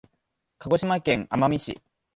鹿児島県奄美市